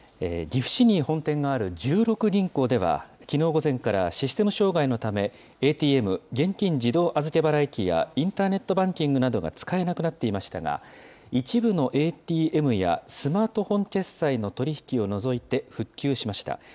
岐阜市に本店がある十六銀行では、きのう午前からシステム障害のため、ＡＴＭ・現金自動預払機やインターネットバンキングなどが使えなくなっていましたが、一部のＡＴＭやスマートフォン決済の取り引きを除いて復旧しました。